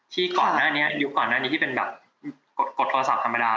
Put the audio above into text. ที่ก่อนหน้านี้ยุคก่อนหน้านี้ที่เป็นแบบกดโทรศัพท์ธรรมดา